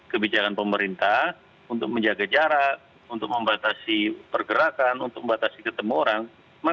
kebijakan pemerintah untuk menjaga jarak untuk membatasi pergerakan untuk membatasi ketemu orang